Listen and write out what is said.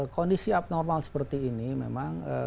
kondisi abnormal seperti ini memang